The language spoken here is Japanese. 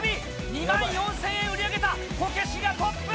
２万４０００円売り上げたこけしがトップ。